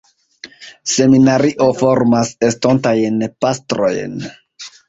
Seminario formas estontajn pastrojn.